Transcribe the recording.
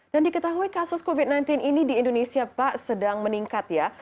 dan diketahui kasus covid sembilan belas ini di indonesia pak sedang meningkat ya